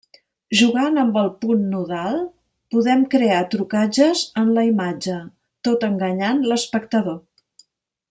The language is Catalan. Jugant amb el punt nodal podem crear trucatges en la imatge, tot enganyant l'espectador.